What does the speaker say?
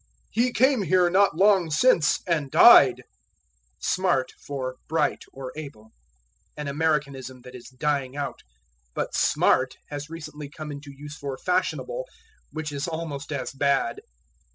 "He came here not long since and died." Smart for Bright, or Able. An Americanism that is dying out. But "smart" has recently come into use for fashionable, which is almost as bad.